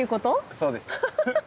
そうです。